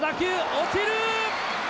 落ちる！